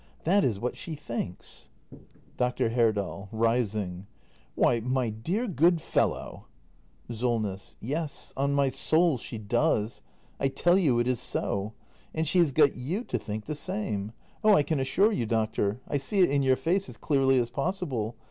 That is what she thinks. Dr. Herdal. [Rising.] Why, my dear good fellow ! SOLNESS. Yes, on my soul she does ! I tell you it is so. And she has got you to think the same! Oh, I can assure you, doctor, I see it in your face as clearly as possible.